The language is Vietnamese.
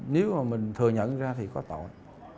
nếu mà mình thừa nhận ra thì có tội